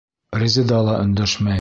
Резеда ла өндәшмәй.